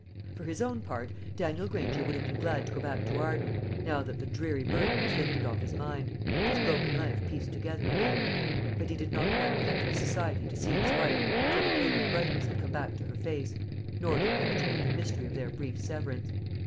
For his own part, Daniel Granger would have been glad to go back to Arden, now that the dreary burden was lifted off his mind, and his broken life pieced together again; but he did not want county society to see his wife till the bloom and brightness had come back to her face, nor to penetrate the mystery of their brief severance.